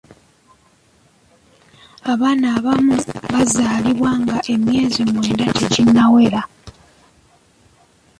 Abaana abamu bazaalibwa nga emyezi mwenda teginnawera.